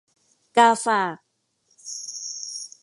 กาฝาก